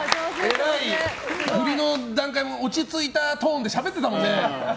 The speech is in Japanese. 振りの段階も落ち着いたトーンでしゃべってたもんね。